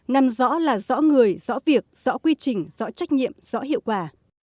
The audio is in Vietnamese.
năm rõ là rõ người rõ việc rõ quy trình rõ trách nhiệm rõ hiệu quả